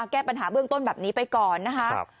แก้ปัญหาเบื้องต้นแบบนี้ไปก่อนนะคะ